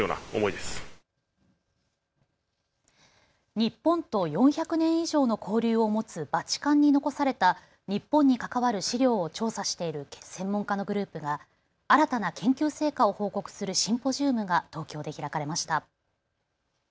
日本と４００年以上の交流を持つバチカンに残された日本に関わる資料を調査している専門家のグループが新たな研究成果を報告するシンポジウムが東京で開かれました。